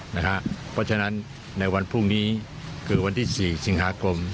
เพราะฉะนั้นในวันพรุ่งนี้คือวันที่๔สิงหาคม